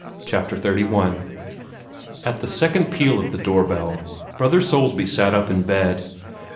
CHAPTER XXXI At the second peal of the door bell, Brother Soulsby sat up in bed.